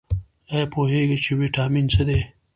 ایا پوهیږئ چې ویټامین څه دي؟